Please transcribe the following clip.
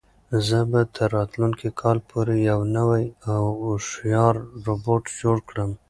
زه به تر راتلونکي کال پورې یو نوی او هوښیار روبوټ جوړ کړم.